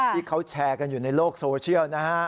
ที่เขาแชร์กันอยู่ในโลกโซเชียลนะฮะ